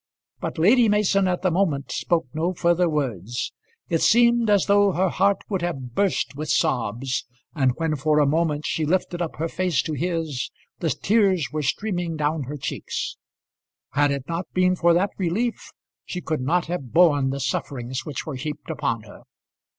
But Lady Mason at the moment spoke no further words. It seemed as though her heart would have burst with sobs, and when for a moment she lifted up her face to his, the tears were streaming down her cheeks. Had it not been for that relief she could not have borne the sufferings which were heaped upon her.